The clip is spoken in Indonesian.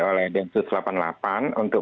oleh densus delapan puluh delapan untuk